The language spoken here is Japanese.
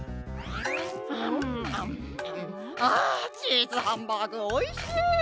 あチーズハンバーグおいしい！